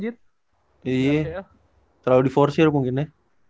iya terlalu di force mungkin ya